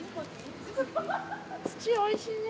土おいしいね。